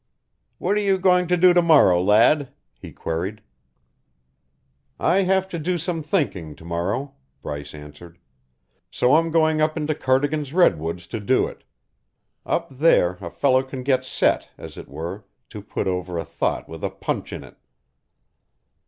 "What are you going to do to morrow, lad?" he queried. "I have to do some thinking to morrow," Bryce answered. "So I'm going up into Cardigan's Redwoods to do it. Up there a fellow can get set, as it were, to put over a thought with a punch in it."